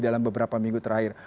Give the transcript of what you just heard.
dalam beberapa minggu terakhir